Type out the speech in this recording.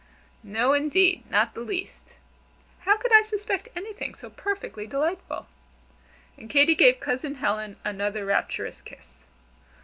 "No, indeed not the least. How could I suspect anything so perfectly delightful?" And Katy gave Cousin Helen another rapturous kiss.